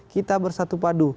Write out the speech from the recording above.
kita bersatu padu